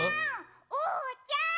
おうちゃん！